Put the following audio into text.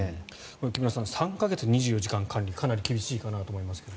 木村さん３か月、２４時間管理かなり厳しいかなと思いますが。